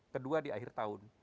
kedua di akhir tahun